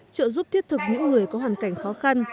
trợ giúp thiết thực những người có hoàn cảnh khó khăn